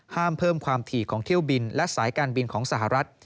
เพิ่มความถี่ของเที่ยวบินและสายการบินของสหรัฐ